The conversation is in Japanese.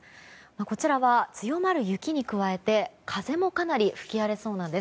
こちらは強まる雪に加えて風もかなり吹き荒れそうなんです。